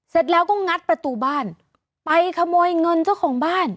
เสร็จแล้วก็งัดประตูบ้านไปขโมยเงินเจ้าของบ้าน